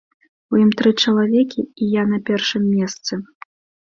У ім тры чалавекі, і я на першым месцы.